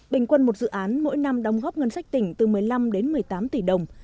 bình quân một dự án mỗi năm đóng góp ngân sách tỉnh từ một mươi năm đến một mươi tám tỷ đồng